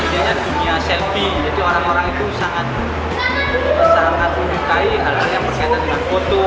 jadi orang orang itu sangat menyukai hal hal yang berkaitan dengan foto